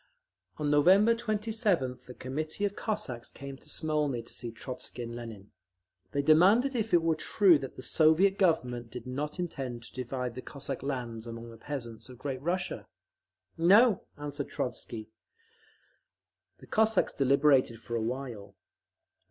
On November 27th a committee of Cossacks came to Smolny to see Trotzky and Lenin. They demanded if it were true that the Soviet Government did not intend to divide the Cossack lands among the peasants of Great Russia? "No," answered Trotzky. The Cossacks deliberated for a while.